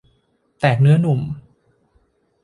แตกเนื้อหนุ่ม